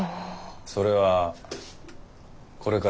それはこれから分かる。